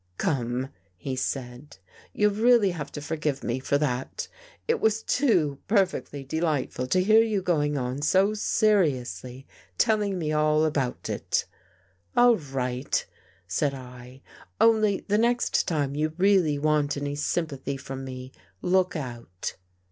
" Come," he said, " you'll really have to forgive me for that. It was too perfectly delightful to hear you going on so seriously telling me all about it." " All right," said I, " only the next time you really want any sympathy from me, look out."